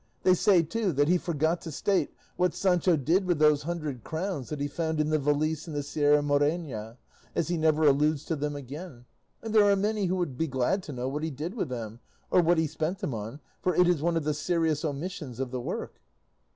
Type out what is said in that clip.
They say, too, that he forgot to state what Sancho did with those hundred crowns that he found in the valise in the Sierra Morena, as he never alludes to them again, and there are many who would be glad to know what he did with them, or what he spent them on, for it is one of the serious omissions of the work."